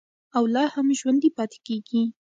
او لا هم ژوندی پاتې کیږي.